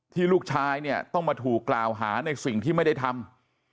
ลูกชายเนี่ยต้องมาถูกกล่าวหาในสิ่งที่ไม่ได้ทำ